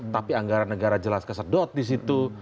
tapi anggaran negara jelas kesedot di situ